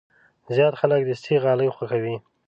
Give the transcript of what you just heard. زیات خلک دستي غالۍ خوښوي.